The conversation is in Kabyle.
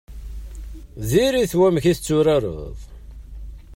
Diri-t wamek i tetturareḍ.